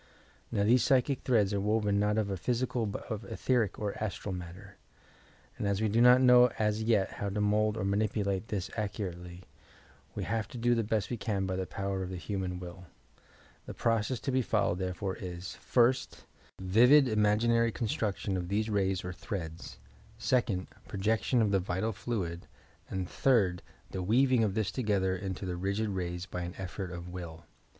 Now, these psychic threads are woven not of physical but of etherie or astral matter, and as we do not know as yet how to mould or manipulate this accurately, we have to do the best we can by the power of the human will. The process to be followed therefore is: first, vivid imaginary construction of these rays or threads; second, projection of the vital fluid; and third, the weaving of this together into the rigid rays by an effort of will.